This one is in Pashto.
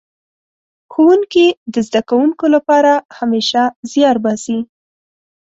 ښوونکي د زده کوونکو لپاره همېشه زيار باسي.